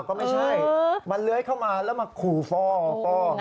ก็ไม่ใช่มันเลื้อยเข้ามาแล้วมาขู่ฟ่อฟอ